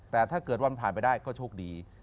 แต่ถ้าเกิดวันผ่านไปได้ก็โชคดี